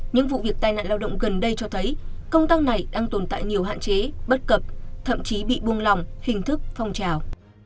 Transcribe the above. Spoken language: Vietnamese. những vụ việc tai nạn lao động gần đây cho thấy công tác này đang tồn tại nhiều hạn chế bất cập thậm chí bị buông lòng hình thức phong trào